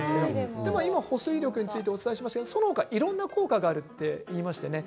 保水力についてお伝えしましたがその他いろんな効果があると言いましたよね。